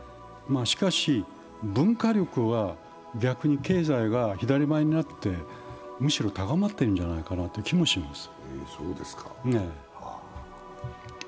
しかし、文化力は逆に経済が左前になってむしろ高まっているんじゃないかなという気もします。